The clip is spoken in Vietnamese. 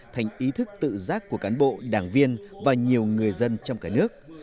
thành ý thức tự giác của cán bộ đảng viên và nhiều người dân trong cả nước